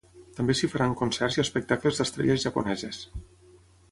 També s’hi faran concerts i espectacles d’estrelles japoneses.